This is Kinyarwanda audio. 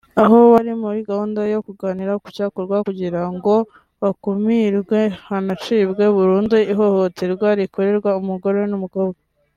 aho bari muri gahunda yo kuganira ku cyakorwa kugira ngo hakumirwe hanacibwe burundu ihohoterwa rikorerwa umugore n’umukobwa